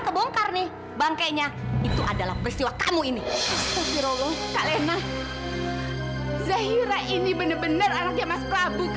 sekarang jujur sama aku